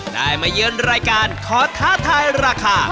ได้มาเยือนรายการขอท้าทายราคา